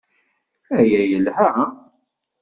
Aya yelha?